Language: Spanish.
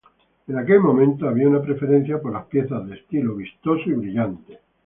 En aquel momento había una preferencia por las piezas de estilo vistoso y brillante.